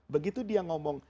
begitu dia ngomong